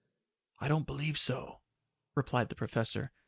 "I don't believe so," replied the professor.